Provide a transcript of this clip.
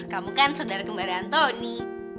kamu kan saudara kembali antoni